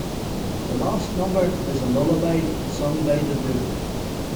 The last number is a lullaby sung by the brook.